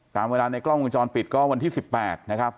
ตามเวลาในกล้องวงจรปิดก็วันที่๑๘นะครับ